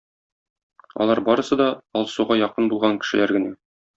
Алар барысы да - Алсуга якын булган кешеләр генә.